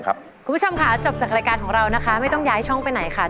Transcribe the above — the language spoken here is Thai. คุณผู้ชมค่ะจบจากรายการของเรานะคะไม่ต้องย้ายช่องไปไหนค่ะ